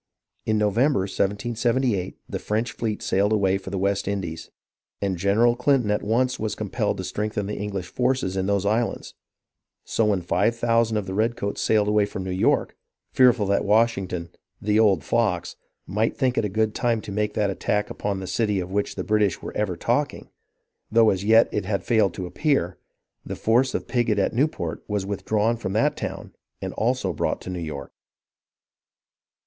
In November, 1778, the French fleet sailed away for the West Indies, and General Clinton at once was compelled to strengthen the English forces in those islands ; so when five thousand of the redcoats sailed away from New York, fearful that Washington, "the old fox," might think it a good time to make that attack upon the city of which the British were ever talking, though as yet it had failed to appear, the force of Pigot at Newport was withdrawn from that town and also brought to New York.